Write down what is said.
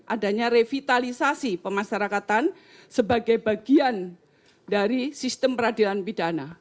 adanya revitalisasi pemasarakatan sebagai bagian dari sistem peradilan pidana